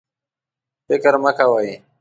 فکر مه کوئ